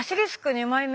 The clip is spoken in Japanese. ２枚目。